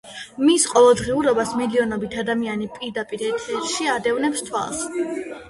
მის ყოველდღიურობას მილიონობით ადამიანი პირდაპირ ეთერში ადევნებს თვალს.